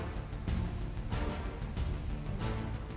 malam malam aku sendiri